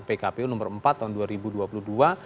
pkpu nomor empat tahun dua ribu dua puluh dua